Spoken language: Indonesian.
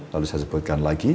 lalu saya sebutkan lagi